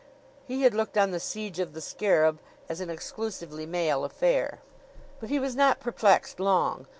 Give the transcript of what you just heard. He had looked on the siege of the scarab as an exclusively male affair. But he was not perplexed long.